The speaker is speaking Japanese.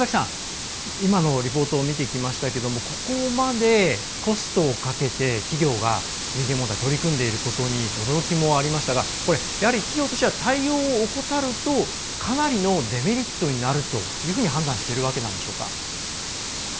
今のリポートを見てきましたがここまでコストをかけて企業が人権問題取り組んでいることに驚きもありましたがやはり企業としては対応を怠るとかなりのデメリットになると判断しているわけなんでしょうか？